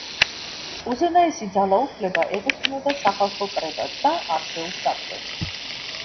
უზენაესი ძალაუფლება ეკუთვნოდა სახალხო კრებას და არჩეულ საბჭოს.